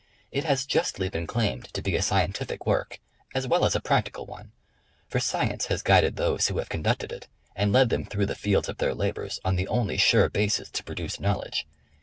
It has justly been claimed to be a scientiflc work, as well as a practical one, for science has guided those who have conducted it and led them through the fields of their labors on the only sure basis to pro duce knowledge.